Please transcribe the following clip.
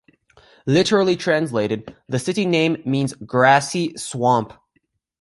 Literally translated, the city name means "grassy swamp".